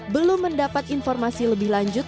belum mendapat informasi lebih lanjut